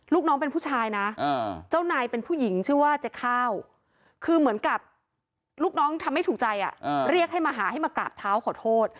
ลูกน้องเป็นผู้ชายนะเจ้านายเป็นผู้หญิงชื่อว่าเจ๊ข้าวคือเหมือนกับลูกน้องทำไม่ถูกใจเรียกให้มาหาให้มากราบเท้าขอโทษ